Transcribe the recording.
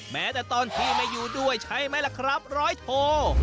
แม้แต่ตอนที่ไม่อยู่ด้วยใช่ไหมล่ะครับร้อยโท